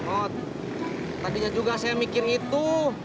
oh tadinya juga saya mikir itu